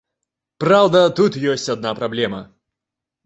Праўда, тут ёсць адна праблема.